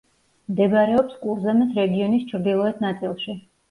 მდებარეობს კურზემეს რეგიონის ჩრდილოეთ ნაწილში.